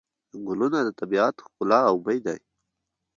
ګلونه د طبیعت ښکلا او بوی دی.